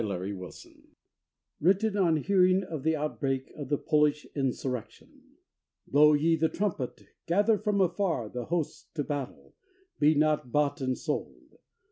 XXXV =Sonnet= Written on hearing of the outbreak of the Polish Insurrection. Blow ye the trumpet, gather from afar The hosts to battle: be not bought and sold.